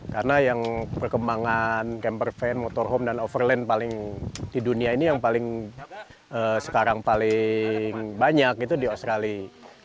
karena yang perkembangan kemperven motorhome dan overland paling di dunia ini yang paling sekarang paling banyak itu di australia